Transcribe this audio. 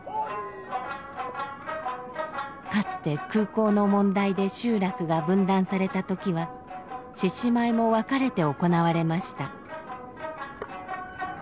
かつて空港の問題で集落が分断された時は獅子舞も分かれて行われました。